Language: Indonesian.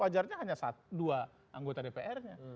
wajarnya hanya dua anggota dpr nya